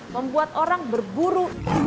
membuat orang berburu